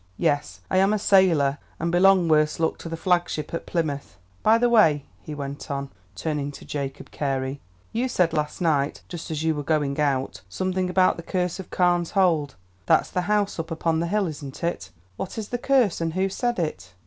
Yes, I am a sailor, and belong, worse luck, to the flagship at Plymouth. By the way," he went on, turning to Jacob Carey, "you said last night, just as you were going out, something about the curse of Carne's Hold. That's the house up upon the hill, isn't it? What is the curse, and who said it?"